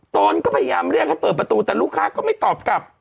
ตนก็พยายามเรียกให้เปิดประตูแต่ลูกค้าก็ไม่ตอบกลับ